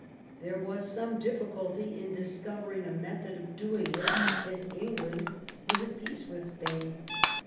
There was THE CRISIS. 205 some difficulty in discovering a method of doing it, as Gngland was at peace with Spain.